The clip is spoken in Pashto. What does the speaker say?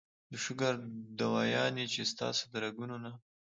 د شوګر دوايانې چې ستاسو د رګونو نه